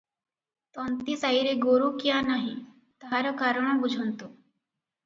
ତନ୍ତୀସାଇରେ ଗୋରୁ କ୍ୟାଁ ନାହିଁ, ତାହାର କାରଣ ବୁଝନ୍ତୁ ।